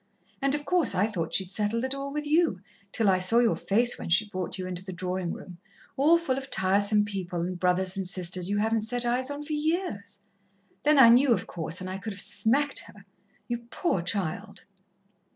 And, of course, I thought she'd settled it all with you, till I saw your face when she brought you into the drawing room, all full of tiresome people, and brothers and sisters you hadn't set eyes on for years. Then I knew, of course, and I could have smacked her. You poor child!"